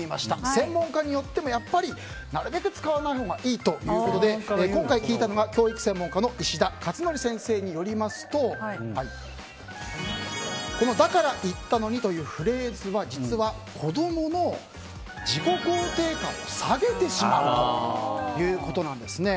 専門家によってもやっぱりなるべく使わないほうがいいということで今回聞いたのは、教育専門家の石田勝紀先生によりますとだから言ったのにというフレーズは実は子供の自己肯定感を下げてしまうということなんですね。